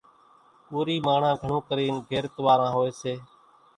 ڪورِي ماڻۿان گھڻو ڪرينَ غيرت واران هوئيَ سي۔